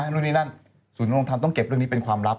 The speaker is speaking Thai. ศูนย์ลำรงธรรมต้องเก็บเรื่องนี้เป็นความลับ